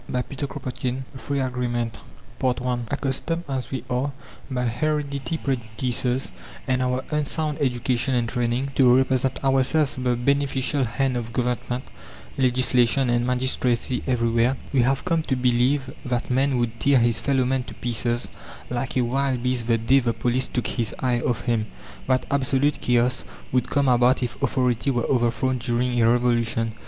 CHAPTER XI FREE AGREEMENT I Accustomed as we are by heredity prejudices and our unsound education and training to represent ourselves the beneficial hand of Government, legislation and magistracy everywhere, we have come to believe that man would tear his fellow man to pieces like a wild beast the day the police took his eye off him; that absolute chaos would come about if authority were overthrown during a revolution.